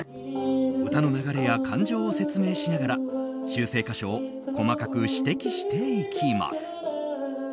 歌の流れや感情を説明しながら修正箇所を細かく指摘していきます。